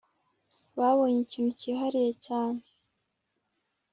babonye ikintu cyihariye cyane